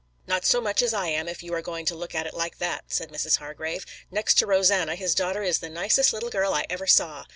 "Not so much as I am if you are going to look at it like that," said Mrs. Hargrave. "Next to Rosanna, his daughter is the nicest little girl I ever saw.